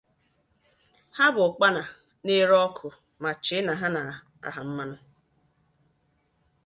Ha bụ ụkpana na-ere ọkụ wee chee na ha na-aha mmanụ.